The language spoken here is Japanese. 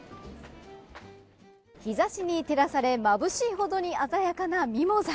日差しに照らされまぶしいほどに鮮やかなミモザ。